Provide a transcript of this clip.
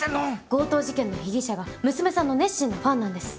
強盗事件の被疑者が娘さんの熱心なファンなんです。